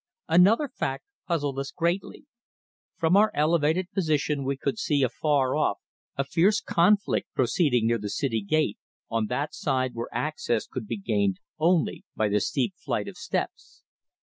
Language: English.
Another fact puzzled us greatly. From our elevated position we could see afar off a fierce conflict proceeding near the city gate on that side where access could be gained only by the steep flight of steps.